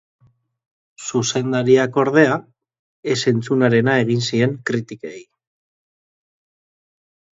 Zuzendariak, ordea, ez entzunarena egin zien kritikei.